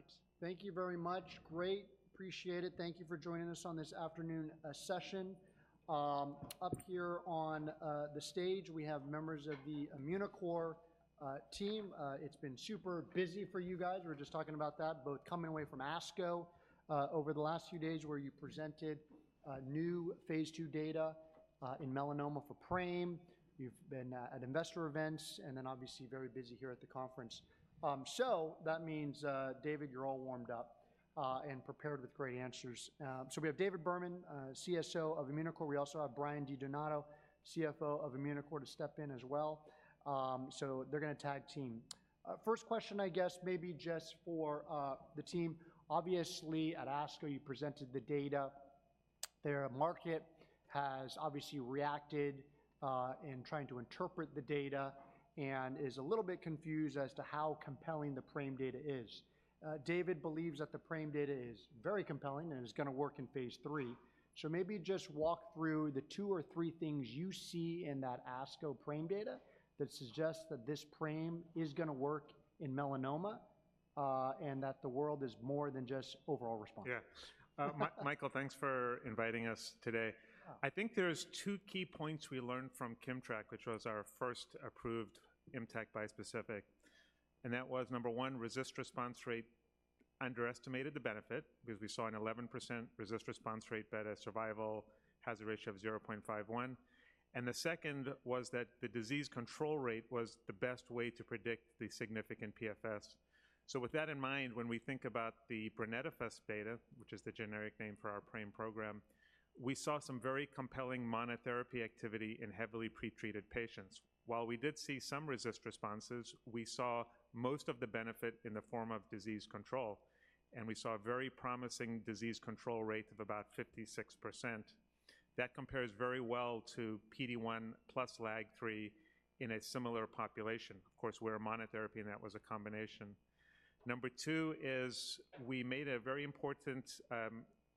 All right. Thank you very much. Great. Appreciate it. Thank you for joining us on this afternoon session. Up here on the stage, we have members of the Immunocore team. It's been super busy for you guys. We were just talking about that, both coming away from ASCO over the last few days where you presented new phase II data in melanoma for PRAME. You've been at investor events and then, obviously, very busy here at the conference. So that means, David, you're all warmed up and prepared with great answers. So we have David Berman, CSO of Immunocore. We also have Brian Di Donato, CFO of Immunocore, to step in as well. So they're going to tag team. First question, I guess, maybe just for the team. Obviously, at ASCO, you presented the data. Their market has obviously reacted in trying to interpret the data and is a little bit confused as to how compelling the PRAME data is. David believes that the PRAME data is very compelling and is going to work in phase III. So maybe just walk through the two or three things you see in that ASCO PRAME data that suggests that this PRAME is going to work in melanoma and that the world is more than just overall response. Yeah. Michael, thanks for inviting us today. I think there's two key points we learned from KIMMTRAK, which was our first approved ImmTAC bispecific. And that was, number one, RECIST response rate underestimated the benefit because we saw an 11% RECIST response rate better survival hazard ratio of 0.51. And the second was that the disease control rate was the best way to predict the significant PFS. So with that in mind, when we think about the brenetafusp, which is the generic name for our PRAME program, we saw some very compelling monotherapy activity in heavily pretreated patients. While we did see some RECIST responses, we saw most of the benefit in the form of disease control. And we saw a very promising disease control rate of about 56%. That compares very well to PD-1 plus LAG-3 in a similar population. Of course, we're a monotherapy, and that was a combination. Number two is we made a very important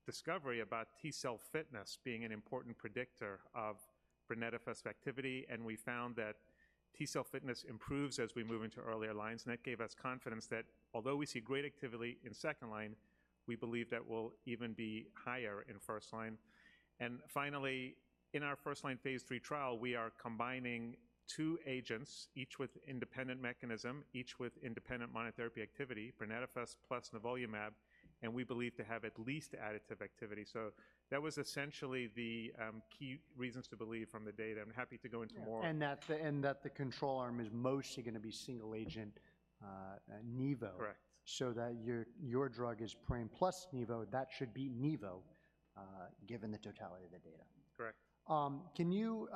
discovery about T cell fitness being an important predictor of brenetafusp activity. And we found that T cell fitness improves as we move into earlier lines. And that gave us confidence that although we see great activity in second-line, we believe that will even be higher in first-line. And finally, in our first-line phase III trial, we are combining two agents, each with independent mechanism, each with independent monotherapy activity, brenetafusp plus nivolumab, and we believe to have at least additive activity. So that was essentially the key reasons to believe from the data. I'm happy to go into more. That the control arm is mostly going to be single agent Nivo. Correct. So that your drug is PRAME plus Nivo, that should be Nivo given the totality of the data. Correct. Can you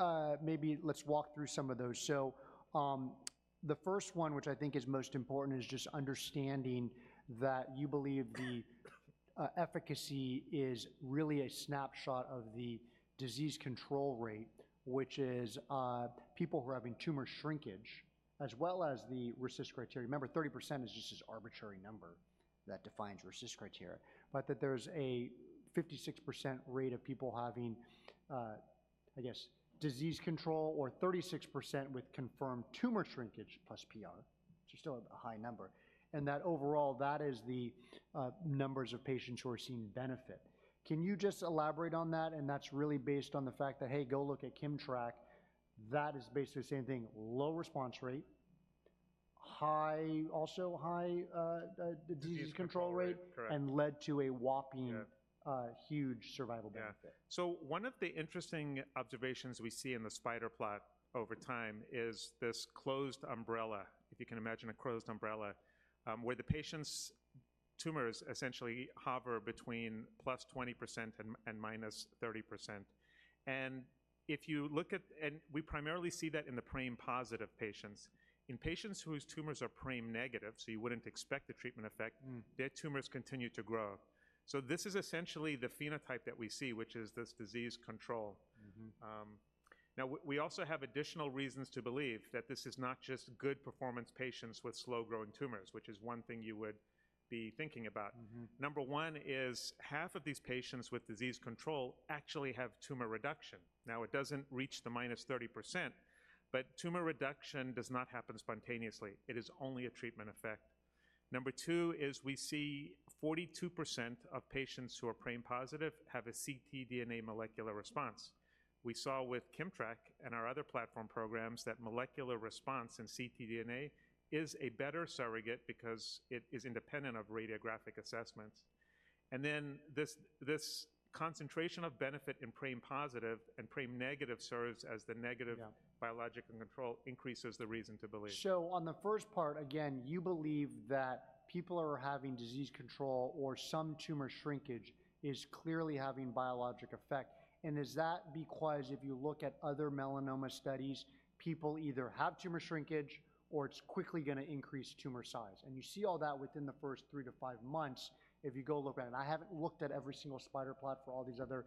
maybe let's walk through some of those. So the first one, which I think is most important, is just understanding that you believe the efficacy is really a snapshot of the disease control rate, which is people who are having tumor shrinkage as well as the RECIST criteria. Remember, 30% is just this arbitrary number that defines RECIST criteria, but that there's a 56% rate of people having, I guess, disease control or 36% with confirmed tumor shrinkage plus PR, which is still a high number. And that overall, that is the numbers of patients who are seeing benefit. Can you just elaborate on that? And that's really based on the fact that, hey, go look at KIMMTRAK, that is basically the same thing: low response rate, also high disease control rate, and led to a whopping huge survival benefit. So one of the interesting observations we see in the spider plot over time is this closed umbrella, if you can imagine a closed umbrella, where the patient's tumors essentially hover between +20% and -30%. And if you look at, and we primarily see that in the PRAME positive patients. In patients whose tumors are PRAME negative, so you wouldn't expect the treatment effect, their tumors continue to grow. So this is essentially the phenotype that we see, which is this disease control. Now, we also have additional reasons to believe that this is not just good performance patients with slow growing tumors, which is one thing you would be thinking about. Number one is half of these patients with disease control actually have tumor reduction. Now, it doesn't reach the -30%, but tumor reduction does not happen spontaneously. It is only a treatment effect. Number two is we see 42% of patients who are PRAME positive have a ctDNA molecular response. We saw with KIMMTRAK and our other platform programs that molecular response and ctDNA is a better surrogate because it is independent of radiographic assessments. And then this concentration of benefit in PRAME positive and PRAME negative serves as the negative biological control increases the reason to believe. So on the first part, again, you believe that people who are having disease control or some tumor shrinkage is clearly having biologic effect. And is that because if you look at other melanoma studies, people either have tumor shrinkage or it's quickly going to increase tumor size? And you see all that within the first three to five months if you go look at it. I haven't looked at every single spider plot for all these other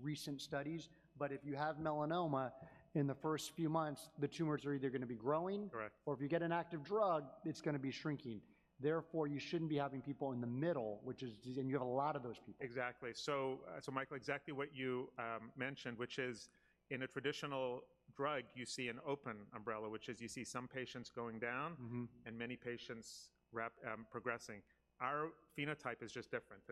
recent studies, but if you have melanoma in the first few months, the tumors are either going to be growing or if you get an active drug, it's going to be shrinking. Therefore, you shouldn't be having people in the middle, which is, and you have a lot of those people. Exactly. So Michael, exactly what you mentioned, which is in a traditional drug, you see an open umbrella, which is you see some patients going down and many patients progressing. Our phenotype is just different.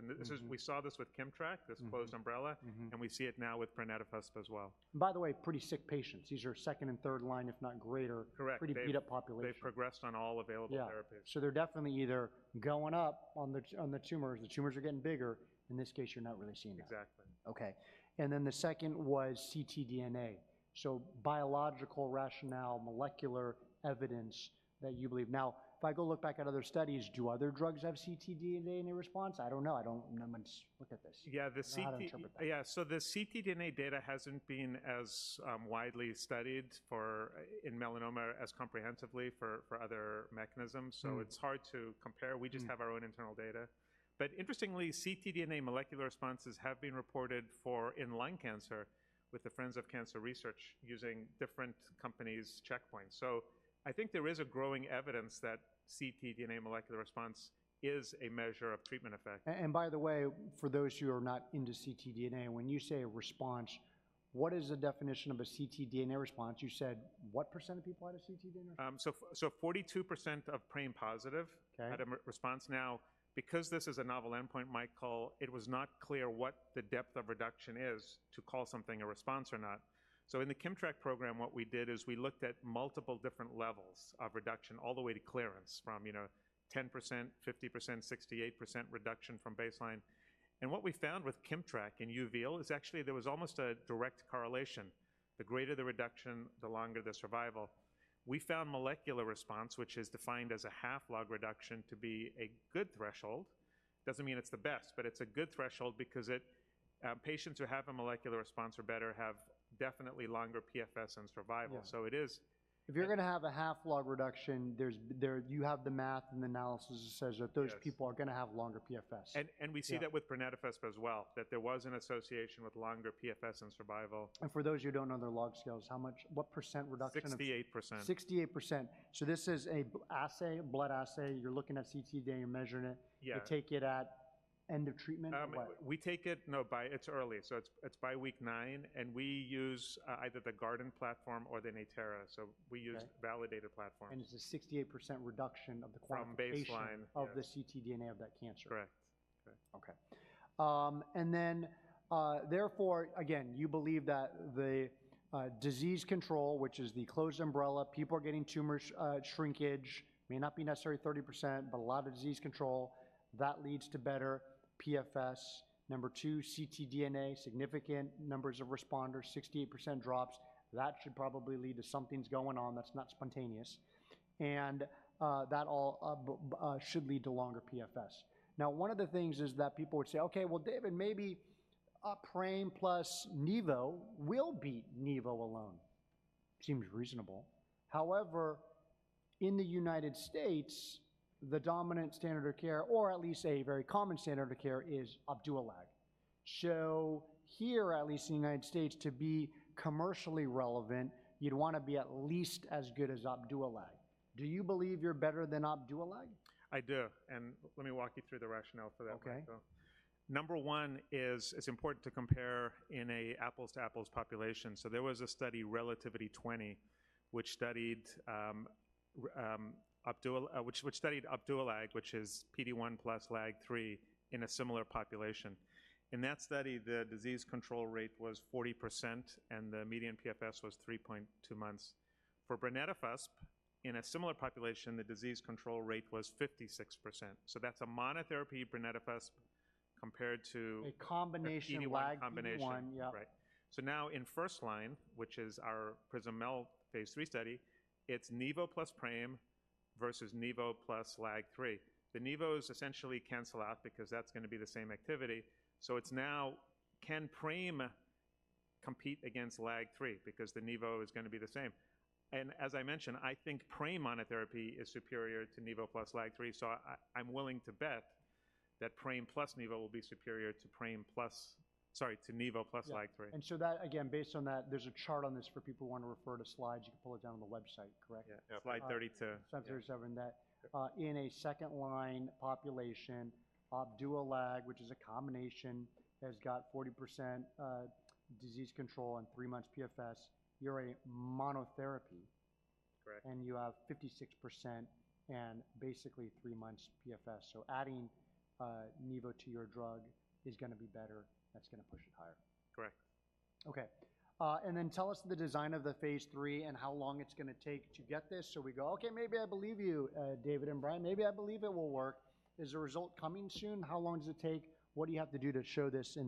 We saw this with KIMMTRAK, this closed umbrella, and we see it now with brenetafusp as well. By the way, pretty sick patients. These are second and third line, if not greater. Correct. Pretty beat-up population. They progressed on all available therapies. Yeah. So they're definitely either going up on the tumors, the tumors are getting bigger. In this case, you're not really seeing that. Exactly. Okay. And then the second was ctDNA. So biological rationale, molecular evidence that you believe. Now, if I go look back at other studies, do other drugs have ctDNA in their response? I don't know. I don't know. Let's look at this. Yeah. Yeah. So the ctDNA data hasn't been as widely studied in melanoma as comprehensively for other mechanisms. So it's hard to compare. We just have our own internal data. But interestingly, ctDNA molecular responses have been reported for in lung cancer with the Friends of Cancer Research using different companies' checkpoints. So I think there is growing evidence that ctDNA molecular response is a measure of treatment effect. And by the way, for those who are not into ctDNA, when you say a response, what is the definition of a ctDNA response? You said what percent of people had a ctDNA response? So 42% of PRAME positive had a response. Now, because this is a novel endpoint, Michael, it was not clear what the depth of reduction is to call something a response or not. So in the KIMMTRAK program, what we did is we looked at multiple different levels of reduction all the way to clearance from 10%, 50%, 68% reduction from baseline. And what we found with KIMMTRAK and uveal is actually there was almost a direct correlation. The greater the reduction, the longer the survival. We found molecular response, which is defined as a half log reduction to be a good threshold. Doesn't mean it's the best, but it's a good threshold because patients who have a molecular response are better, have definitely longer PFS and survival. So it is. If you're going to have a half log reduction, you have the math and the analysis that says that those people are going to have longer PFS. We see that with brenetafusp as well, that there was an association with longer PFS and survival. For those who don't know their log scales, how much, what percent reduction? 68%. 68%. So this is an assay, blood assay. You're looking at ctDNA, you're measuring it. You take it at end of treatment? We take it, no, it's early. So it's by week nine. And we use either the Guardant platform or the Natera. So we use validated platforms. It's a 68% reduction of the quality of the patient. From baseline. Of the ctDNA of that cancer. Correct. Okay. And then therefore, again, you believe that the disease control, which is the closed umbrella, people are getting tumor shrinkage, may not be necessary 30%, but a lot of disease control, that leads to better PFS. Number two, ctDNA, significant numbers of responders, 68% drops. That should probably lead to something's going on that's not spontaneous. And that all should lead to longer PFS. Now, one of the things is that people would say, okay, well, David, maybe PRAME plus Nivo will be Nivo alone. Seems reasonable. However, in the United States, the dominant standard of care, or at least a very common standard of care, is Opdualag. So here, at least in the United States, to be commercially relevant, you'd want to be at least as good as Opdualag. Do you believe you're better than Opdualag? I do. Let me walk you through the rationale for that. Okay. Number one is it's important to compare in an apples-to-apples population. So there was a study, Relativity-047, which studied Opdualag, which is PD-1 plus LAG-3 in a similar population. In that study, the disease control rate was 40% and the median PFS was 3.2 months. For brenetafusp, in a similar population, the disease control rate was 56%. So that's a monotherapy brenetafusp compared to. A combination of LAG-3. A combination. Right. So now in first-line, which is our PRISM-MEL phase III study, it's Nivo plus PRAME versus Nivo plus LAG-3. The Nivos essentially cancel out because that's going to be the same activity. So it's now, can PRAME compete against LAG-3 because the Nivo is going to be the same? And as I mentioned, I think PRAME monotherapy is superior to Nivo plus LAG-3. So I'm willing to bet that PRAME plus Nivo will be superior to PRAME plus, sorry, to Nivo plus LAG-3. And so that, again, based on that, there's a chart on this for people who want to refer to slides. You can pull it down on the website. Correct? Yeah. Slide 32. Slide 37. In a second line population, Opdualag, which is a combination that has got 40% disease control and three months PFS, you're a monotherapy. Correct. You have 56% and basically three months PFS. Adding Nivo to your drug is going to be better. That's going to push it higher. Correct. Okay. And then tell us the design of the phase III and how long it's going to take to get this. So we go, okay, maybe I believe you, David and Brian, maybe I believe it will work. Is the result coming soon? How long does it take? What do you have to do to show this?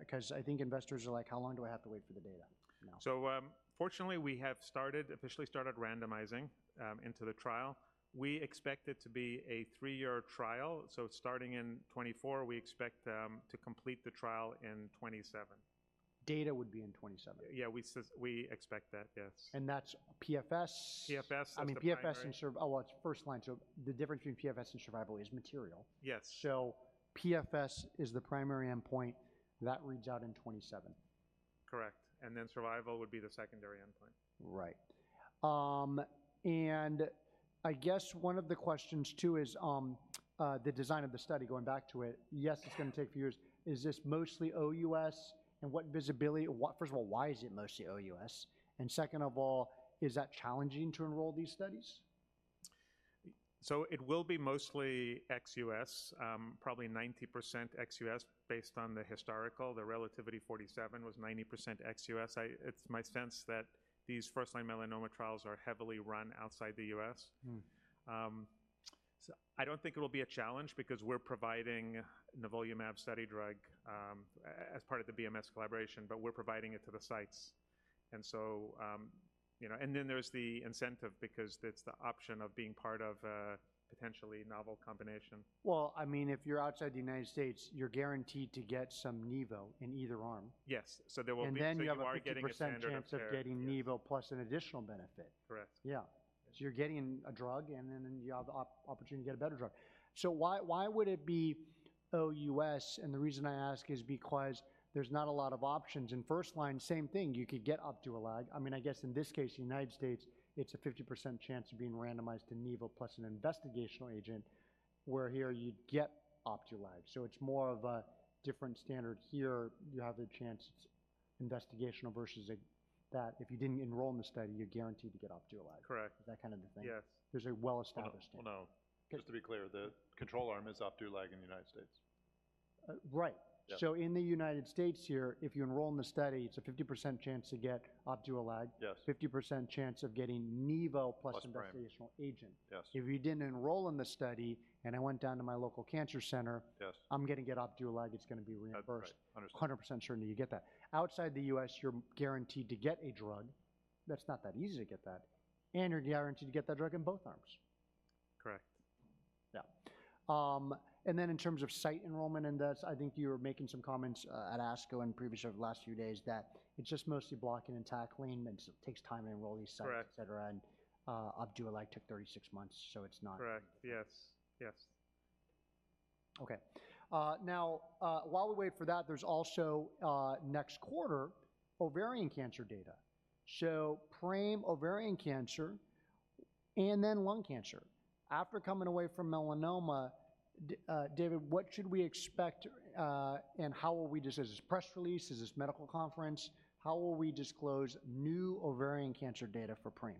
Because I think investors are like, how long do I have to wait for the data? So fortunately, we have started, officially started randomizing into the trial. We expect it to be a three-year trial. So starting in 2024, we expect to complete the trial in 2027. Data would be in 2027. Yeah, we expect that, yes. That's PFS. PFS and survival. I mean, PFS and, oh, it's first line. So the difference between PFS and survival is material. Yes. PFS is the primary endpoint that reads out in 2027. Correct. And then survival would be the secondary endpoint. Right. And I guess one of the questions too is the design of the study, going back to it, yes, it's going to take a few years. Is this mostly OUS? And what visibility, first of all, why is it mostly OUS? And second of all, is that challenging to enroll these studies? So it will be mostly ex-U.S., probably 90% ex-U.S. based on the historical. The Relativity-047 was 90% ex-U.S.. It's my sense that these first-line melanoma trials are heavily run outside the U.S. I don't think it will be a challenge because we're providing nivolumab study drug as part of the BMS collaboration, but we're providing it to the sites. And so, you know, and then there's the incentive because it's the option of being part of a potentially novel combination. Well, I mean, if you're outside the United States, you're guaranteed to get some Nivo in either arm. Yes. So there will be 56% chance of getting Nivo plus an additional benefit. Correct. Yeah. So you're getting a drug and then you have the opportunity to get a better drug. So why would it be OUS? And the reason I ask is because there's not a lot of options. In first line, same thing. You could get Opdualag. I mean, I guess in this case, the United States, it's a 50% chance of being randomized to Nivo plus an investigational agent where here you'd get Opdualag. So it's more of a different standard here. You have a chance, investigational versus that if you didn't enroll in the study, you're guaranteed to get Opdualag. Correct. That kind of a thing. Yes. There's a well-established. Well, no. Just to be clear, the control arm is Opdualag in the United States. Right. So in the United States here, if you enroll in the study, it's a 50% chance to get Opdualag, 50% chance of getting Nivo plus investigational agent. If you didn't enroll in the study and I went down to my local cancer center, I'm going to get Opdualag. It's going to be reimbursed. Understood. 100% certainty you get that. Outside the U.S., you're guaranteed to get a drug. That's not that easy to get that. And you're guaranteed to get that drug in both arms. Correct. Yeah. Then in terms of site enrollment in this, I think you were making some comments at ASCO in previous or last few days that it's just mostly blocking and tackling and it takes time to enroll these sites, et cetera. Opdualag took 36 months, so it's not. Correct. Yes. Yes. Okay. Now, while we wait for that, there's also next quarter ovarian cancer data. So PRAME, ovarian cancer, and then lung cancer. After coming away from melanoma, David, what should we expect and how will we just, is this press release? Is this medical conference? How will we disclose new ovarian cancer data for PRAME?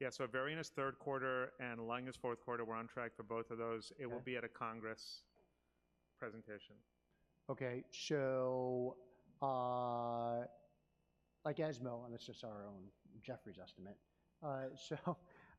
Yeah. So ovarian is third quarter and lung is fourth quarter. We're on track for both of those. It will be at a Congress presentation. Okay. So like ESMO, and it's just our own Jefferies estimate. So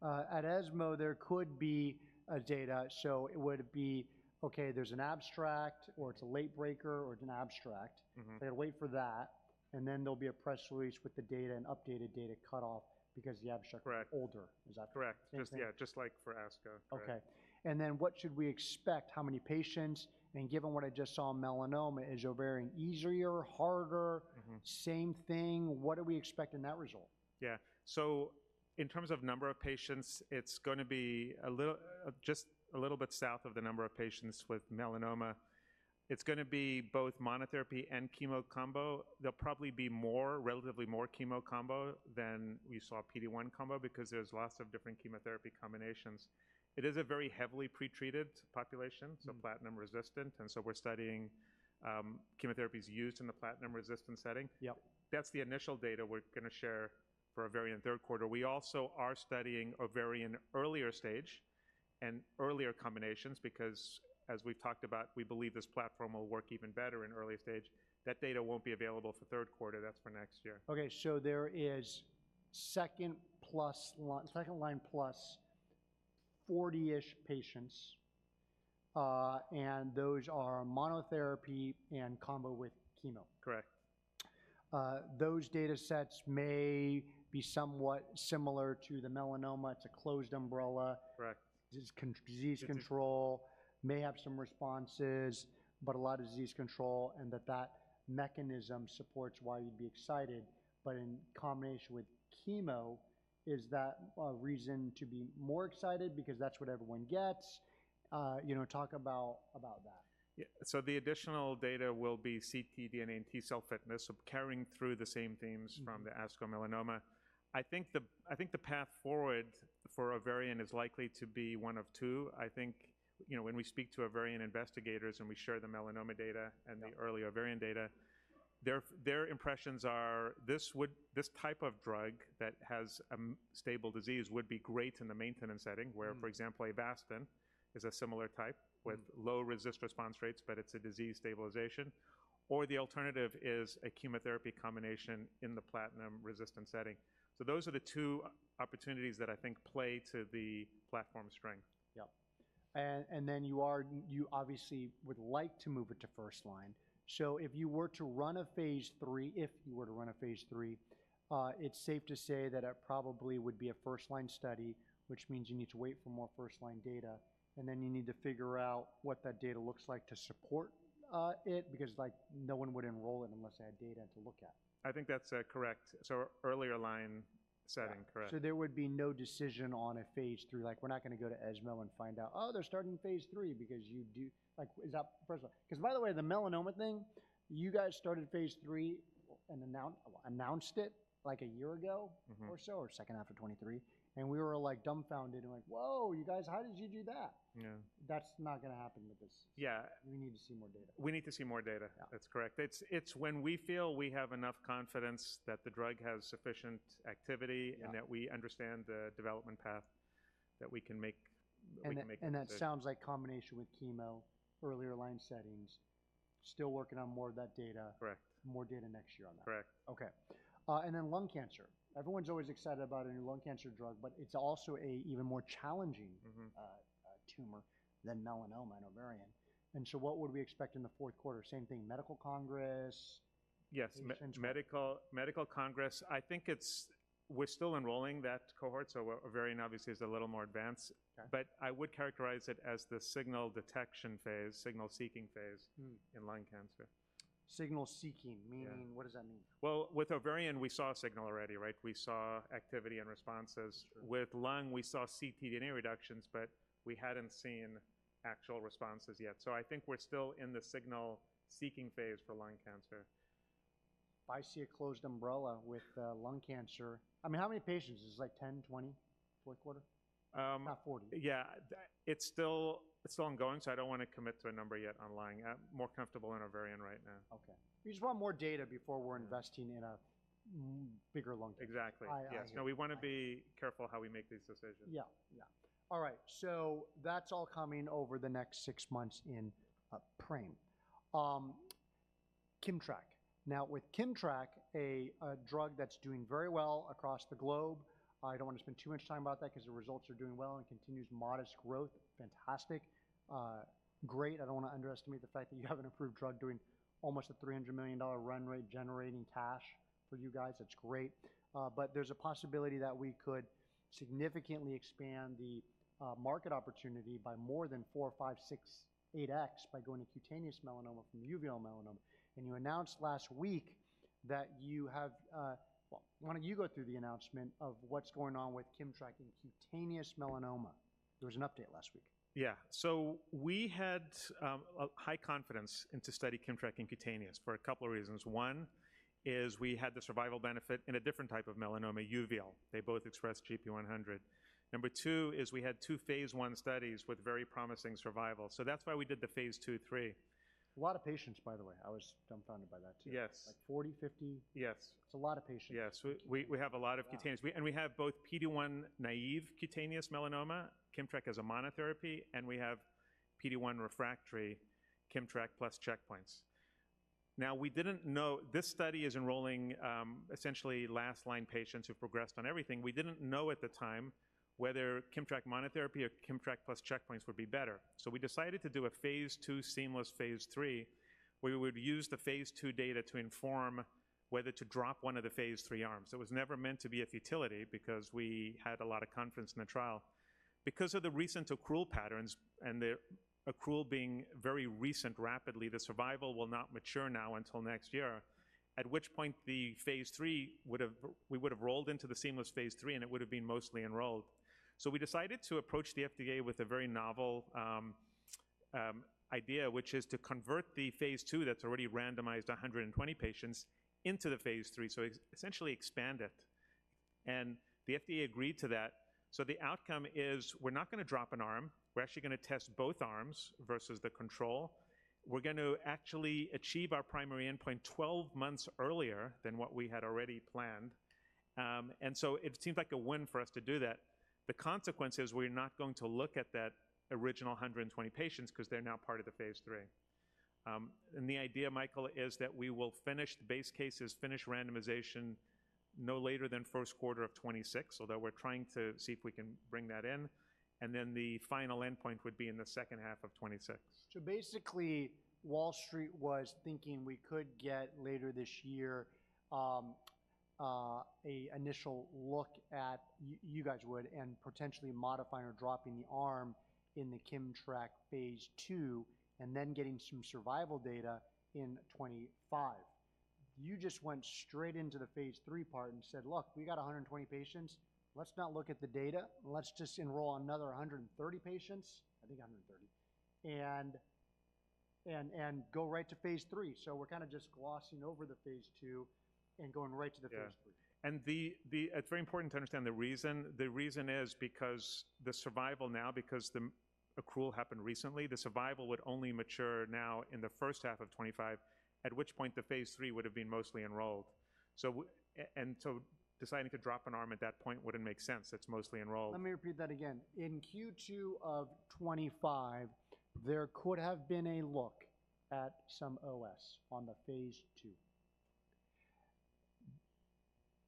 at ESMO, there could be data. So it would be, okay, there's an abstract or it's a late breaker or it's an abstract. They'll wait for that. And then there'll be a press release with the data and updated data cutoff because the abstract is older. Is that? Correct. Yeah. Just like for ASCO. Okay. And then what should we expect? How many patients? And given what I just saw, melanoma is ovarian easier, harder, same thing. What do we expect in that result? Yeah. So in terms of number of patients, it's going to be just a little bit south of the number of patients with melanoma. It's going to be both monotherapy and chemo combo. There'll probably be more, relatively more chemo combo than we saw PD-1 combo because there's lots of different chemotherapy combinations. It is a very heavily pretreated population, so platinum resistant. And so we're studying chemotherapies used in the platinum resistant setting. Yep. That's the initial data we're going to share for ovarian third quarter. We also are studying ovarian earlier stage and earlier combinations because as we've talked about, we believe this platform will work even better in early stage. That data won't be available for third quarter. That's for next year. Okay. There is second plus line plus 40-ish patients. Those are monotherapy and combo with chemo. Correct. Those data sets may be somewhat similar to the melanoma. It's a closed umbrella. Correct. Disease control may have some responses, but a lot of disease control and that that mechanism supports why you'd be excited. But in combination with chemo, is that a reason to be more excited because that's what everyone gets? You know, talk about that. Yeah. So the additional data will be ctDNA and T cell fitness or carrying through the same themes from the ASCO melanoma. I think the path forward for ovarian is likely to be one of two. I think, you know, when we speak to ovarian investigators and we share the melanoma data and the early ovarian data, their impressions are this type of drug that has a stable disease would be great in the maintenance setting where, for example, Avastin is a similar type with low response rates, but it's a disease stabilization. Or the alternative is a chemotherapy combination in the platinum resistant setting. So those are the two opportunities that I think play to the platform strength. Yep. And then you obviously would like to move it to first line. So if you were to run a phase III, if you were to run a phase III, it's safe to say that it probably would be a first line study, which means you need to wait for more first line data. And then you need to figure out what that data looks like to support it because like no one would enroll it unless they had data to look at. I think that's correct. So earlier line setting. Correct. So there would be no decision on a phase III. Like we're not going to go to ESMO and find out, oh, they're starting phase III because you do, like is that first line? Because by the way, the melanoma thing, you guys started phase III and announced it like a year ago or so, or second half of 2023. We were like dumbfounded and like, whoa, you guys, how did you do that? Yeah. That's not going to happen with this. Yeah. We need to see more data. We need to see more data. That's correct. It's when we feel we have enough confidence that the drug has sufficient activity and that we understand the development path that we can make. That sounds like combination with chemo, earlier line settings, still working on more of that data. Correct. More data next year on that. Correct. Okay. And then lung cancer. Everyone's always excited about a new lung cancer drug, but it's also an even more challenging tumor than melanoma and ovarian. And so what would we expect in the fourth quarter? Same thing, medical congress? Yes. Medical congress. I think it's, we're still enrolling that cohort. So ovarian obviously is a little more advanced. But I would characterize it as the signal detection phase, signal seeking phase in lung cancer. Signal seeking, meaning what does that mean? Well, with ovarian, we saw a signal already, right? We saw activity and responses. With lung, we saw ctDNA reductions, but we hadn't seen actual responses yet. So I think we're still in the signal seeking phase for lung cancer. I see a closed umbrella with lung cancer. I mean, how many patients? Is it like 10, 20, fourth quarter? Not 40. Yeah. It's still ongoing. I don't want to commit to a number yet on lung. More comfortable in ovarian right now. Okay. We just want more data before we're investing in a bigger lung cancer. Exactly. Yes. No, we want to be careful how we make these decisions. Yeah. Yeah. All right. So that's all coming over the next six months in PRAME. KIMMTRAK. Now with KIMMTRAK, a drug that's doing very well across the globe. I don't want to spend too much time about that because the results are doing well and continues modest growth. Fantastic. Great. I don't want to underestimate the fact that you have an approved drug doing almost a $300 million run rate generating cash for you guys. That's great. But there's a possibility that we could significantly expand the market opportunity by more than four, five, six, 8x by going to cutaneous melanoma from uveal melanoma. And you announced last week that you have, well, why don't you go through the announcement of what's going on with KIMMTRAK in cutaneous melanoma? There was an update last week. Yeah. So we had high confidence in studying KIMMTRAK in cutaneous for a couple of reasons. One is we had the survival benefit in a different type of melanoma, uveal. They both expressed gp100. Number two is we had two phase I studies with very promising survival. So that's why we did the phase II, III. A lot of patients, by the way. I was dumbfounded by that too. Yes. Like 40, 50. Yes. It's a lot of patients. Yes. We have a lot of cutaneous. We have both PD-1 naive cutaneous melanoma, KIMMTRAK as a monotherapy, and we have PD-1 refractory KIMMTRAK plus checkpoints. Now we didn't know, this study is enrolling essentially last line patients who progressed on everything. We didn't know at the time whether KIMMTRAK monotherapy or KIMMTRAK plus checkpoints would be better. So we decided to do a phase II, seamless phase III, where we would use the phase II data to inform whether to drop one of the phase III arms. It was never meant to be a futility because we had a lot of confidence in the trial. Because of the recent accrual patterns and the accrual being very recent rapidly, the survival will not mature now until next year, at which point the phase III would have, we would have rolled into the seamless phase III and it would have been mostly enrolled. We decided to approach the FDA with a very novel idea, which is to convert the phase II that's already randomized 120 patients into the phase III. Essentially expand it. The FDA agreed to that. The outcome is we're not going to drop an arm. We're actually going to test both arms versus the control. We're going to actually achieve our primary endpoint 12 months earlier than what we had already planned. It seems like a win for us to do that. The consequence is we're not going to look at that original 120 patients because they're now part of the phase III. And the idea, Michael, is that we will finish the base cases, finish randomization no later than first quarter of 2026, although we're trying to see if we can bring that in. And then the final endpoint would be in the second half of 2026. So basically, Wall Street was thinking we could get later this year an initial look at, you guys would, and potentially modifying or dropping the arm in the KIMMTRAK phase II and then getting some survival data in 2025. You just went straight into the phase III part and said, "Look, we got 120 patients. Let's not look at the data. Let's just enroll another 130 patients." I think 130. And go right to phase III. So we're kind of just glossing over the phase II and going right to the phase III. Yeah. And it's very important to understand the reason. The reason is because the survival now, because the accrual happened recently, the survival would only mature now in the first half of 2025, at which point the phase III would have been mostly enrolled. And so deciding to drop an arm at that point wouldn't make sense. It's mostly enrolled. Let me repeat that again. In Q2 of 2025, there could have been a look at some OS on the phase II.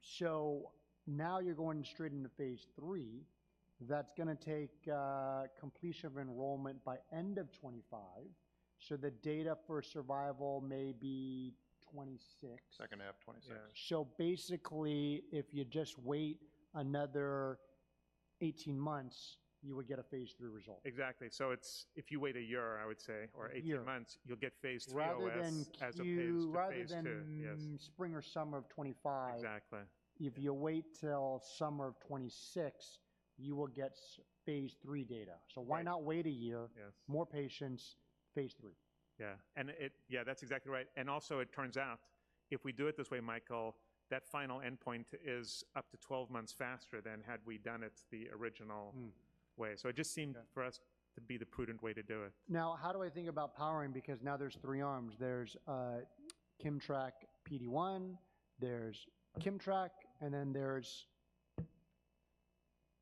So now you're going straight into phase III. That's going to take completion of enrollment by end of 2025. So the data for survival may be 2026. Second half 2026. Yeah. So basically, if you just wait another 18 months, you would get a phase III result. Exactly. So it's, if you wait a year, I would say, or 18 months, you'll get phase III OS as of phase II. Rather than Q1, rather than spring or summer of 2025. Exactly. If you wait till summer of 2026, you will get phase III data. Why not wait a year? More patients, phase III. Yeah. Yeah, that's exactly right. Also, it turns out, if we do it this way, Michael, that final endpoint is up to 12 months faster than had we done it the original way. So it just seemed for us to be the prudent way to do it. Now, how do I think about powering? Because now there's three arms. There's KIMMTRAK PD-1, there's KIMMTRAK, and then there's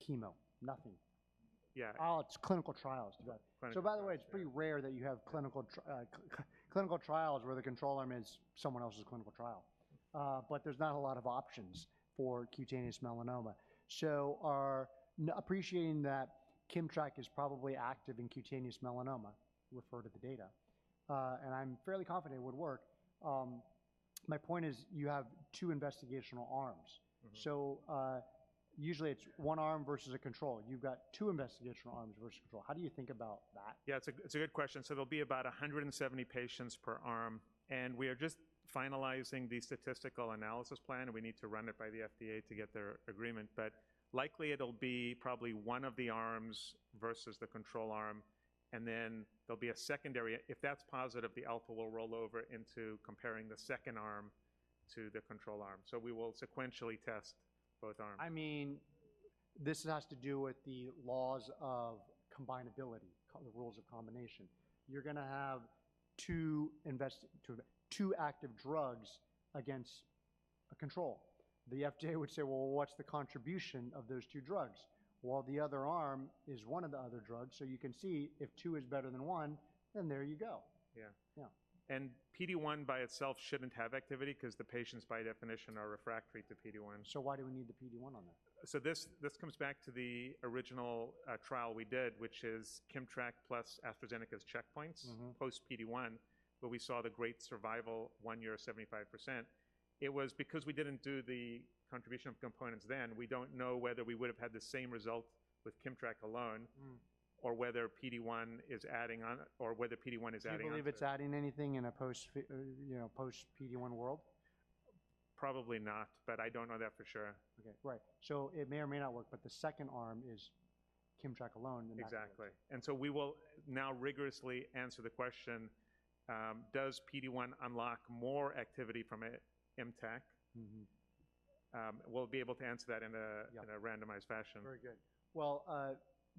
chemo. Nothing. Yeah. Oh, it's clinical trials. So by the way, it's pretty rare that you have clinical trials where the control arm is someone else's clinical trial. But there's not a lot of options for cutaneous melanoma. So appreciating that KIMMTRAK is probably active in cutaneous melanoma, refer to the data. And I'm fairly confident it would work. My point is you have two investigational arms. So usually it's one arm versus a control. You've got two investigational arms versus control. How do you think about that? Yeah, it's a good question. So there'll be about 170 patients per arm. And we are just finalizing the statistical analysis plan. We need to run it by the FDA to get their agreement. But likely it'll be probably one of the arms versus the control arm. And then there'll be a secondary. If that's positive, the alpha will roll over into comparing the second arm to the control arm. So we will sequentially test both arms. I mean, this has to do with the laws of combinability, the rules of combination. You're going to have two active drugs against a control. The FDA would say, well, what's the contribution of those two drugs? Well, the other arm is one of the other drugs. So you can see if two is better than one, then there you go. Yeah. PD-1 by itself shouldn't have activity because the patients by definition are refractory to PD-1. Why do we need the PD-1 on there? This comes back to the original trial we did, which is KIMMTRAK plus AstraZeneca's checkpoints post PD-1, where we saw the great one-year survival of 75%. It was because we didn't do the contribution of components then. We don't know whether we would have had the same result with KIMMTRAK alone or whether PD-1 is adding on or whether PD-1 is adding on. Do you believe it's adding anything in a post PD-1 world? Probably not, but I don't know that for sure. Okay. Right. So it may or may not work, but the second arm is KIMMTRAK alone. Exactly. And so we will now rigorously answer the question, does PD-1 unlock more activity from ImmTAC? We'll be able to answer that in a randomized fashion. Very good. Well,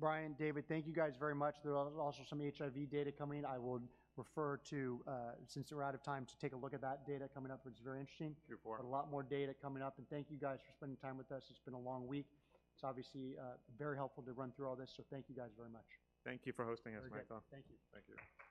Brian, David, thank you guys very much. There's also some HIV data coming in. I will refer to, since we're out of time, to take a look at that data coming up, which is very interesting. Looking forward. A lot more data coming up. Thank you guys for spending time with us. It's been a long week. It's obviously very helpful to run through all this. Thank you guys very much. Thank you for hosting us, Michael. Thank you. Thank you.